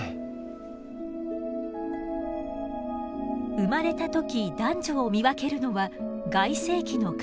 生まれた時男女を見分けるのは外性器の形。